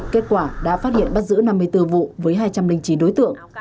kết quả đã phát hiện bắt giữ năm mươi bốn vụ với hai trăm linh chín đối tượng